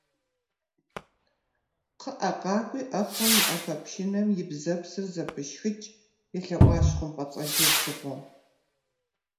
- КхъыӀэ, къакӀуи, Ӏэхъуэм и Ӏэпэпшынэм и бзэпсыр зэпышхыкӀ, - елъэӀуащ хъумпӀэцӀэджыр дзыгъуэм.